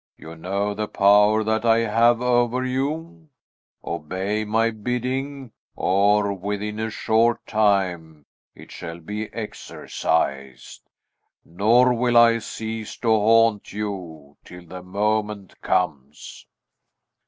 You know the power that I have over you. Obey my bidding; or, within a short time, it shall be exercised: nor will I cease to haunt you till the moment comes."